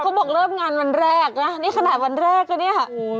บอกเริ่มงานวันแรกนะนี่ขนาดวันแรกนะเนี่ย